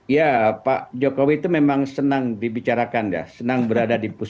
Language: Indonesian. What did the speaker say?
ya pak jokowi itu memang senang dibicarakan ya